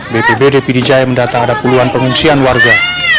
bpbd pdj mendata ada puluhan pengungsian warga